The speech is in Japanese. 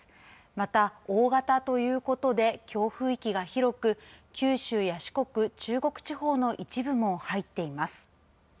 また大型ということで強風域が広く九州や四国、中国地方の一部も入っています。